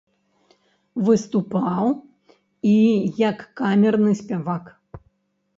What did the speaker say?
Выступаў і як камерны спявак.